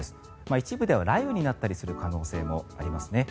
一部では雷雨になったりする可能性もありますね。